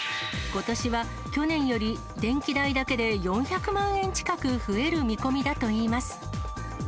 ことしは去年より電気代だけで４００万円近く増える見込みだといいます。